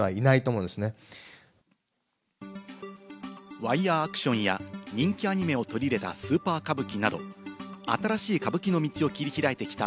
ワイヤアクションや人気アニメを取り入れたスーパー歌舞伎など、新しい歌舞伎の道を切り開いてきた